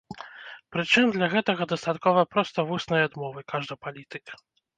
Прычым для гэтага дастаткова проста вуснай адмовы, кажа палітык.